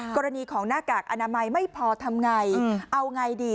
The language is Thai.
กรณีของหน้ากากอนามัยไม่พอทำไงเอาไงดี